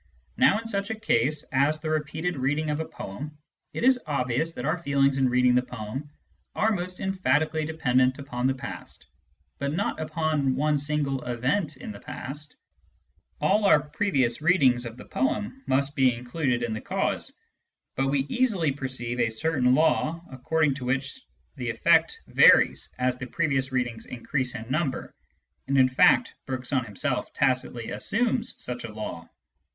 Now in such a case as the repeated reading of a poem, it is obvious that our feelings in reading the poem are most emphatically dependent upon the past, but not upon one single event in the past. All our previous readings of the poem must be included in the cause. But we easily perceive a certain law according to Digitized by Google 232 SCIENTIFIC METHOD IN PHILOSOPHY which the effect varies as the previous readings increase in number, and in fact Bergson himself tacitly assumes such a law.